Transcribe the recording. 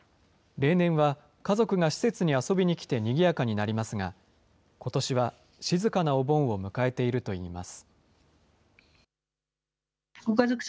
例年は、家族が施設に遊びに来てにぎやかになりますが、ことしは静かなお盆を迎えているといいます。